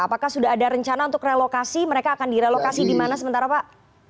apakah sudah ada rencana untuk relokasi mereka akan direlokasi di mana sementara pak